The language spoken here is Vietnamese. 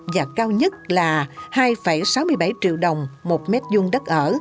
và cao nhất là hai sáu mươi bảy triệu đồng một mét vuông đất ở